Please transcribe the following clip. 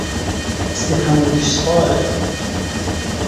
Ma te bi rastî hemû tişt xwarin.